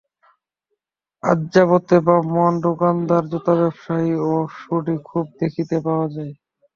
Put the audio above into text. আর্যাবর্তে ব্রাহ্মণ দোকানদার, জুতাব্যবসায়ী ও শুঁড়ী খুব দেখিতে পাওয়া যায়।